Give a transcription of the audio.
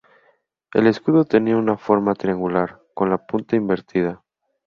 Su escudo tenía una forma triangular, con la punta invertida.